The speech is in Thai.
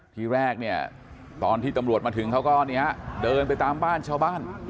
ทีแรกเนี่ยตอนที่ตำรวจมาถึงเขาก็เดินไปตามบ้านชาวบ้าน